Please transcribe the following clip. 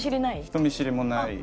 人見知りもない。